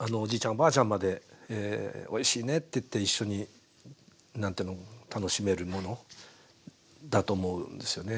おばあちゃんまでおいしいねって言って一緒に楽しめるものだと思うんですよね。